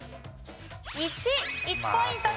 １。１ポイントです。